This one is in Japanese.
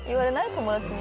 友達に。